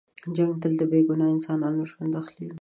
جنګ تل د بې ګناه انسانانو ژوند اخلي.